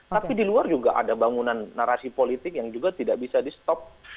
tapi di luar juga ada bangunan narasi politik yang juga tidak bisa di stop